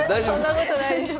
そんなことないです。